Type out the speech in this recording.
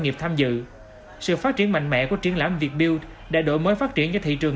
nghiệp tham dự sự phát triển mạnh mẽ của triển lãm vietbild đã đổi mới phát triển cho thị trường